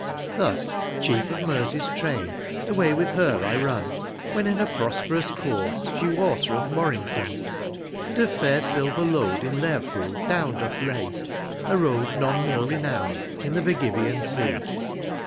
co Thus chief of Hfi rsey's train, away with her I run. When in her i)ru.sperou3 course she wat'reth IVarrivfjfoti, And her fair silver load in Lcrji'ic/e down doth lay, A lioad none more renown'd in the Feryivian Sea.